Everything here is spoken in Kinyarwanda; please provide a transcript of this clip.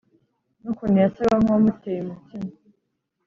nukuntu yasaga nkuwamuteye umutima